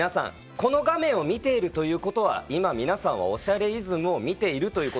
この画面を見ているということは今皆さんは『おしゃれイズム』を見ているということになります。